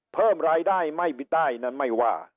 เพิ่มรายได้ไม่มีใต้นั้นไม่ว่า